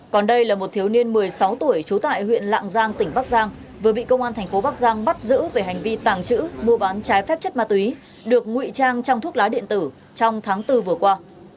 còn đây là một thiếu niên một mươi sáu tuổi trú tại huyện lạng giang tỉnh bắc giang vừa bị công an thành phố bắc giang bắt giữ về hành vi tàng trữ mua bán trái phép chất ma túy được ngụy trang trong thuốc lá điện tử trong tháng bốn vừa qua